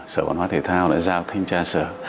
sở văn hóa thể thao đã giao thêm cha sở